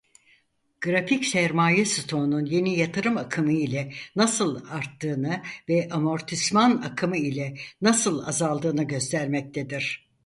Grafik sermaye "stoğu"nun yeni yatırım "akımı" ile nasıl arttığını ve amortisman "akım"ı ile nasıl azaldığını göstermektedir.